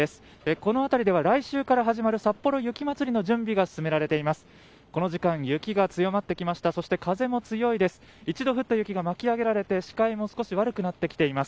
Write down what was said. この辺りでは来週から始まる、さっぽろ雪まつりの準備が進められています。